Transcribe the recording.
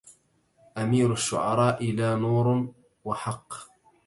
أمير الشعر لا نور وحق